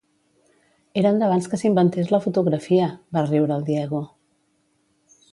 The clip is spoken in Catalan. Eren d'abans que s'inventés la fotografia! —va riure el Diego.